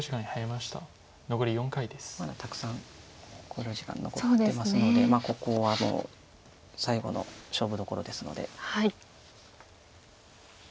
まだたくさん考慮時間残ってますのでここは最後の勝負どころですので。